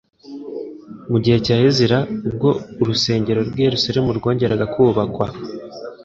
Mu gihe cya Ezira, ubwo urusengero rw'i Yerusalemu rwongeraga kubakwa,